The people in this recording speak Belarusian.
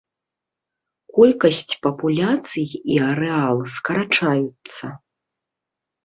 Колькасць папуляцый і арэал скарачаюцца.